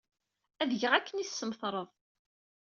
Ad geɣ akken ay d-tesmetred.